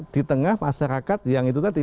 di tengah masyarakat yang itu tadi